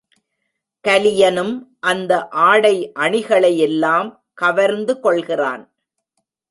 கலியனும் அந்த ஆடை அணிகளையெல்லாம் கவர்ந்து கொள்கிறான்.